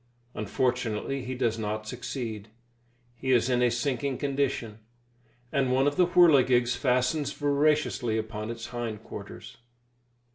Unfortunately he does not succeed; he is in a sinking condition, and one of the whirligigs fastens voraciously upon his hind quarters.